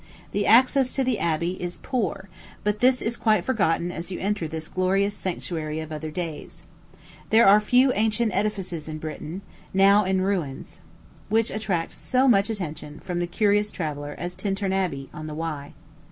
The access to the abbey is poor, but this is quite forgotten as you enter this glorious sanctuary of other days. There are few ancient edifices in Great Britain, now in ruins, which attract so much attention from the curious traveller as Tintern Abbey, on the Wye.